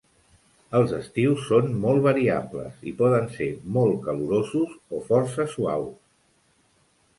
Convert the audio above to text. Els estius són molt variables i poden ser molt calorosos o força suaus.